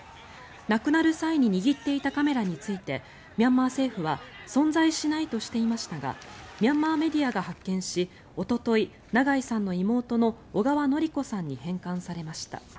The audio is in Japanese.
亡くなる際に握っていたカメラについてミャンマー政府は存在しないとしていましたがミャンマーメディアが発見しおととい、長井さんの妹の小川典子さんに返還されました。